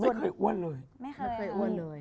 ไม่เคยอ้วนเลยไม่เคยอ้วนเลย